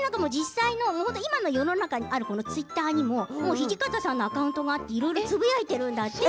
今の世の中にあるツイッターにも土方さんのアカウントがあっていろいろつぶやいているんだって。